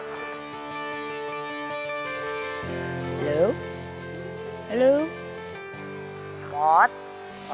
kalo agak siangan nangkut mah aja